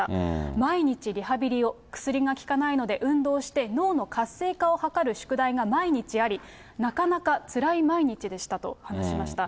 毎日リハビリを、薬が効かないので、運動して、脳の活性化を図る宿題が毎日あり、なかなかつらい毎日でしたと話しました。